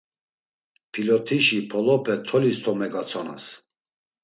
Pilot̆işi polope tolis to megatsonas.